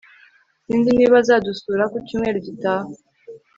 Sinzi niba azadusura ku cyumweru gitaha